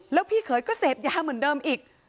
แล้วพี่เขยก็เสพยาเหมือนเดิมอีก